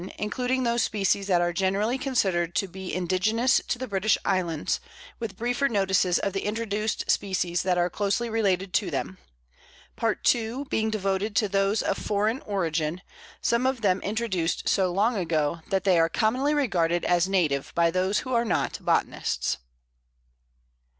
including those species that are generally considered to be indigenous to the British Islands, with briefer notices of the introduced species that are closely related to them. Part II. being devoted to those of foreign origin, some of them introduced so long ago that they are commonly regarded as native by those who are not botanists.